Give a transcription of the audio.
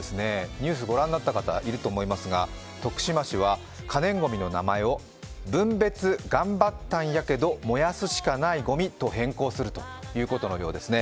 ニュースご覧になった方いると思いますが徳島市は可燃ごみの名前を分別頑張ったんやけど、燃やすしかないごみと変更するということのようです。